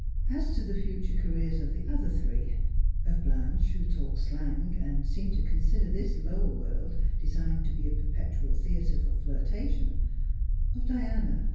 As to the future careers of the other three — of Blanche, who talked slang, and seemed to consider this lower wf>^Ad designed to be a perpetual theatre for flirtation ; of Diani.